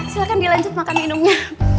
silahkan dilanjut makan minumnya